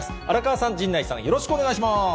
荒川さん、陣内さん、よろしくお願いします。